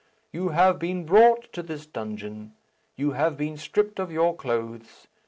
You have been brought to this dungeon. You have been stripped of your clothes.